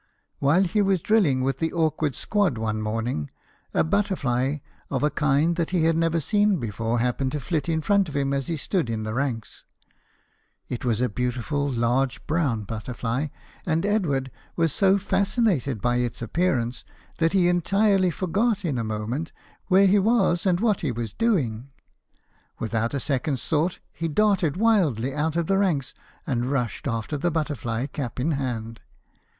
While he was drilling with the awkward squad one morning, a butterfly of a kind that he had never seen before happened to flit in front of him as he stood in the ranks. It was a beautiful large brown butterfly, and Edward was so fasci nated by its appearance that he entirely forgot, in a moment, where he was and what he was doing. Without a second's thought, he darted wildly out of the ranks, and rushed after the butterfly, cap in hand.